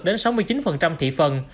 đến sáu mươi chín thị phần